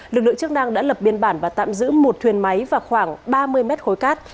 lực lượng chức năng đã lập biên bản và tạm giữ một thuyền máy và khoảng ba mươi mét khối cát